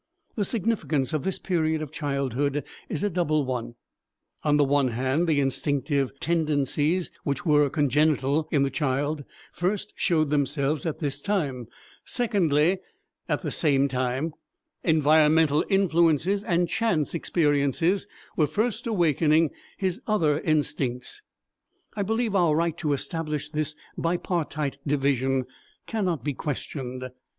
The significance of this period of childhood is a double one; on the one hand, the instinctive tendencies which were congenital in the child first showed themselves at this time; secondly, at the same time, environmental influences and chance experiences were first awakening his other instincts. I believe our right to establish this bipartite division cannot be questioned.